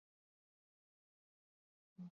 岭南瘤足蕨为瘤足蕨科瘤足蕨属下的一个种。